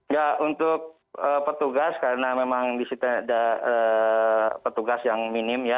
ya untuk petugas karena memang di situ ada petugas yang minim ya